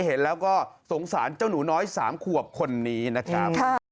เห็นแล้วก็สงสารเจ้าหนูน้อย๓ขวบคนนี้นะครับ